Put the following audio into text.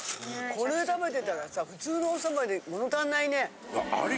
これ食べてたらさ普通のおそばで物足んないね。